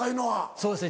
そうですね